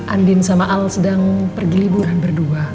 andin sama al sedang pergi liburan berdua